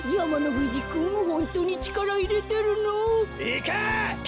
いけ！